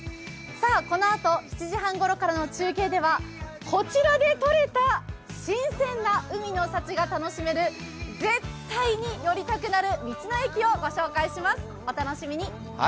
このあと７時半ごろからの中継ではこちらでとれた新鮮な海の幸が楽しめる、絶対に寄りたくなる道の駅を御紹介します。